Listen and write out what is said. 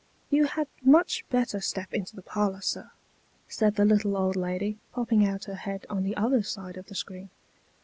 " You had much better step into the parlour, sir," said the little old lady, popping out her head, on the other side of the screen.